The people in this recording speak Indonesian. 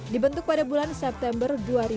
dibentuk pada bulan september dua ribu tiga belas